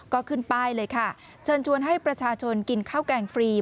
ก็ขึ้นป้ายเลยค่ะเชิญชวนให้ประชาชนกินข้าวแกงฟรี